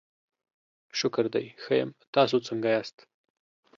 شکر دی، ښه یم، تاسو څنګه یاست؟